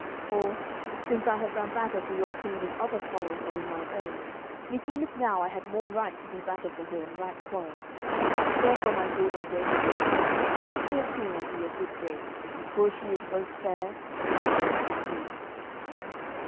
For, since I have done battle for your queen in other quarrels than in mine own, me seemeth now I had more right to do battle for her in right quarrel. Therefore, my good and gracious lord, take your queen unto your good grace, for she is both fair, true, and good."